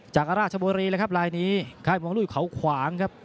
จากอาราชบรีนะครับลายนี้ค่ะมุมลุยเขาขวางครับ